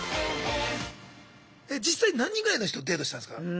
実際何人ぐらいの人とデートしたんすか？